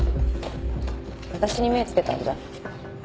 私に目付けたんじゃ？